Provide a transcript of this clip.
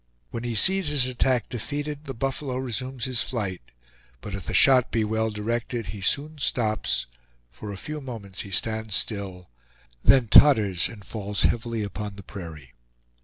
When he sees his attack defeated the buffalo resumes his flight, but if the shot be well directed he soon stops; for a few moments he stands still, then totters and falls heavily upon the prairie.